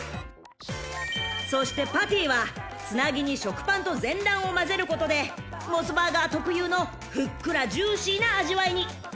［そしてパティはつなぎに食パンと全卵をまぜることでモスバーガー特有のふっくらジューシーな味わいに］